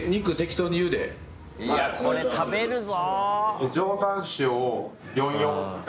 いやこれ食べるぞ！